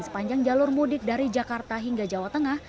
sepanjang jalur mudik dari jakarta hingga jawa tengah